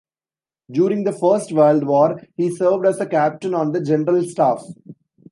During the First World War, he served as a captain on the General Staff.